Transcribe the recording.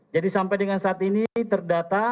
jadi sampai dengan saat ini terdata